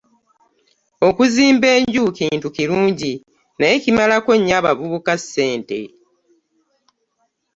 Okuzimba enju kintu kirungi naye kimalako nnyo abavubuka ssente.